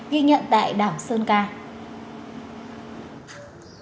ghi nhận tại đảo sơn ca